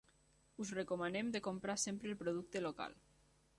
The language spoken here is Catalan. Us recomanem de comprar sempre el producte local.